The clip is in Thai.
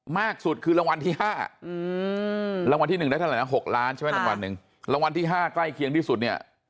มากสุดคือรางวัลที่๕รางวัลที่๑ได้เท่าไหร่นะ๖ล้านใช่ไหมรางวัลหนึ่งรางวัลที่๕ใกล้เคียงที่สุดเนี่ย